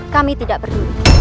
kami tidak perlu